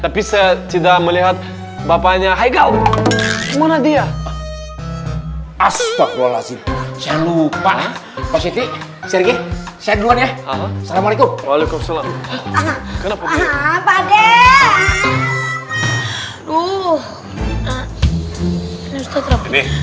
tapi saya tidak melihat bapaknya haikal kemana dia asyik lola sih jangan lupa